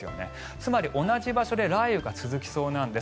つまり、同じ場所で雷雨が続きそうなんです。